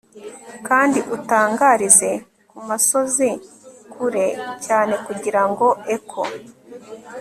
Kandi utangarize kumasozi kure cyane kugirango echo